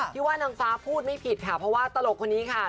ที่ว่านางฟ้าพูดไม่ผิดค่ะเพราะว่าตลกคนนี้ค่ะ